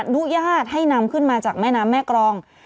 อนุญาตให้นำขึ้นมาจากแม่น้ำแม่กรอง